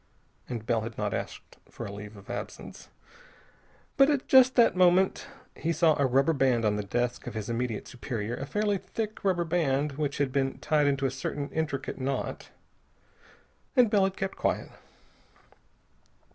And Bell had not asked for a leave of absence. But at just that moment he saw a rubber band on the desk of his immediate superior, a fairly thick rubber band which had been tied into a certain intricate knot. And Bell had kept quiet.